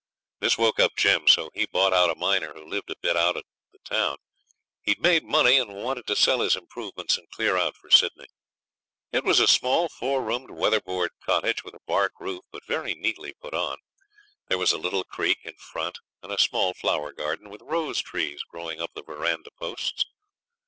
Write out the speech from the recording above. This woke up Jim, so he bought out a miner who lived a bit out of the town. He had made money and wanted to sell his improvements and clear out for Sydney. It was a small four roomed weatherboard cottage, with a bark roof, but very neatly put on. There was a little creek in front, and a small flower garden, with rose trees growing up the verandah posts.